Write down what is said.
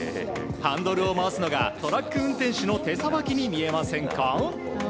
ハンドルを回すのがトラック運転手の手さばきに見えませんか？